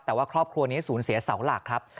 แต่ว่าครอบครัวนี้สูญเสียเสาหลักครับ